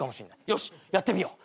よしやってみよう。